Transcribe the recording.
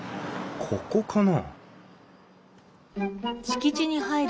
ここかな？